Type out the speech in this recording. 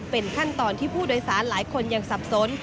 เป็นขั้นตอนที่ผู้โดยสารหลายคนยังสับสน